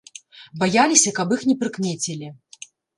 Баяліся, каб іх не прыкмецілі.